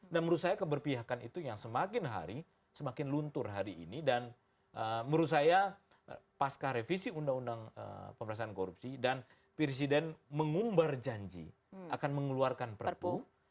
dan menurut saya keberpihakan itu yang semakin hari semakin luntur hari ini dan menurut saya pasca revisi undang undang pemerintahan korupsi dan presiden mengumbar janji akan mengeluarkan perpu